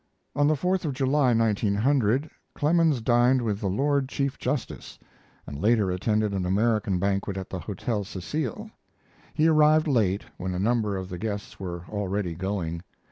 On the Fourth of July (1900) Clemens dined with the Lord Chief Justice, and later attended an American banquet at the Hotel Cecil. He arrived late, when a number of the guests were already going.